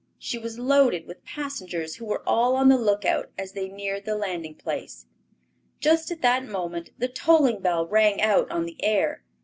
She was loaded with passengers, who were all on the lookout as they neared the landing place. Just at that moment the tolling bell rang out on the air.